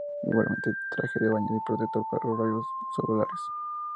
Igualmente, traje de baño y protector para los rayos solares.